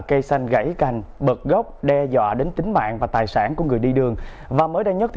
cây xanh gãy cành bật gốc đe dọa đến tính mạng và tài sản của người đi đường và mới đây nhất